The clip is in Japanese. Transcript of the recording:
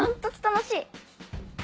楽しい。